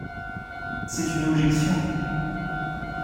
C’est une objection.